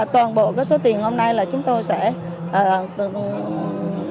toàn bộ số tiền hôm nay là chúng tôi sẽ